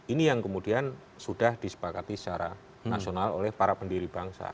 ini yang kemudian sudah disepakati secara nasional oleh para pendiri bangsa